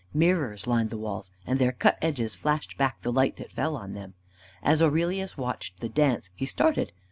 Mirrors lined the walls, and their cut edges flashed back the light that fell on them. As Aurelius watched the dance, he started.